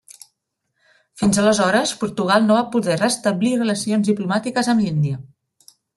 Fins aleshores Portugal no va poder restablir relacions diplomàtiques amb l'Índia.